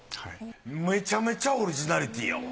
めちゃめちゃオリジナリティーやわ。